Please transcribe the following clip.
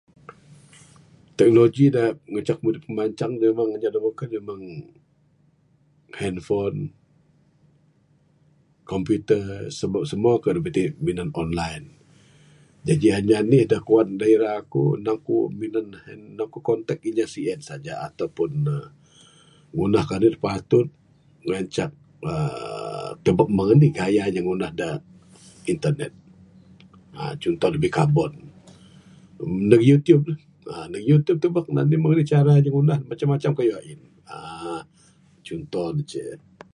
Teknoloji da ngancak mudip pimancang memang nyap da bekun memang handfon, komputer. Sebab semua kayuh da bide minan online. Jaji anih anih da kuwan da ira akuk, nan akuk minan, ha nang kuk kontak inya sien saja atau pun ne ngundah kayuh da patut. Ngancak uhh tubuk mung anih gaya inya ngundah da internet. uhh Cunto ne bikabon, nduh Youtube, uhh ndug YouTube tubuk ne, mong anih cara nya ngundah ne. Macam macam kayuh a'in. uhh cunto ne ce.